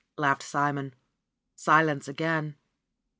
laughed Simon. Silence again.